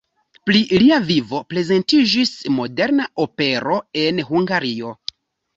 Pri lia vivo prezentiĝis moderna opero en Hungario.